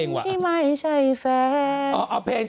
คนที่ไม่ใช่แฟนอ๋อเอาเพลง